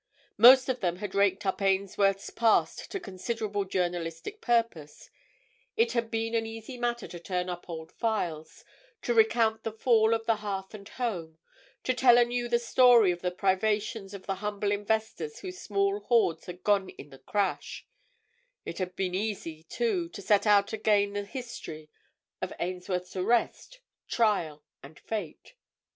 Most of them had raked up Ainsworth's past to considerable journalistic purpose: it had been an easy matter to turn up old files, to recount the fall of the Hearth and Home, to tell anew the story of the privations of the humble investors whose small hoards had gone in the crash; it had been easy, too, to set out again the history of Ainsworth's arrest, trial, and fate.